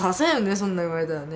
そんなん言われたらね。